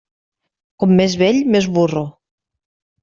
Com més vell, més burro.